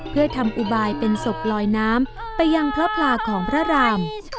เพื่อทำอุบายเป็นศพลอยน้ำไปยังพระพลาของพระราม